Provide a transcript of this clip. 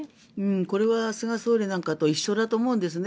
これは菅総理なんかと一緒だと思うんですね。